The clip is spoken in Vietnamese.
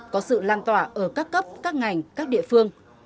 có sự lan tỏa ở các cấp các ngành các địa phương